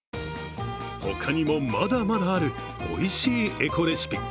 ほかにも、まだまだあるおいしいエコレシピ。